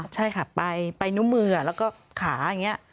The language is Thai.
ใช่ค่ะไปนิ้วมือแล้วก็ขาอย่างนี้